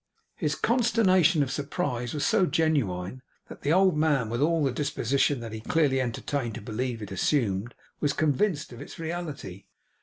His consternation of surprise was so genuine, that the old man, with all the disposition that he clearly entertained to believe it assumed, was convinced of its reality.